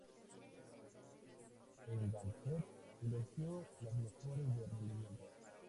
Engadget elogió las mejoras de rendimiento.